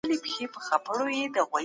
کاردستي د پنځه ګونو قواوو هماهنګي لوړوي.